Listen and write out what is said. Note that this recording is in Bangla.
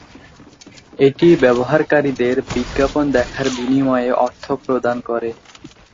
এটি ব্যবহারকারীদের বিজ্ঞাপন দেখার বিনিময়ে অর্থ প্রদান করে।